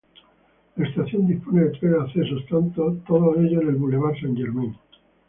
La estación dispone de tres accesos, todos ellos en el bulevar Saint-Germain.